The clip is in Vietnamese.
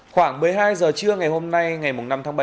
khoảng một mươi hai h trưa ngày hôm nay ngày năm tháng bảy